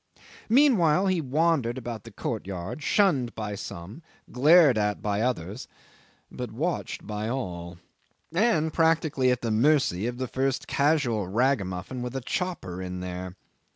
'Meanwhile he wandered about the courtyard, shunned by some, glared at by others, but watched by all, and practically at the mercy of the first casual ragamuffin with a chopper, in there.